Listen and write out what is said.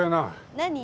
何？